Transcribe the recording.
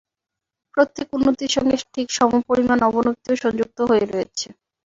প্রত্যেক উন্নতির সঙ্গে ঠিক সমপরিমাণ অবনতিও সংযুক্ত হয়ে রয়েছে।